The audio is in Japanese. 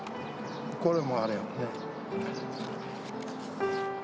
これもあれや。